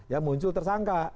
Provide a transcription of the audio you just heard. ya muncul tersangka